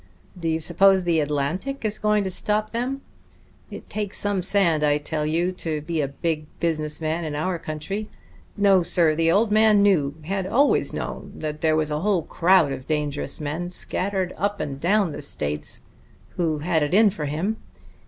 Do you suppose the Atlantic is going to stop them?... It takes some sand, I tell you, to be a big business man in our country. No, sir: the old man knew had always known that there was a whole crowd of dangerous men scattered up and down the States who had it in for him.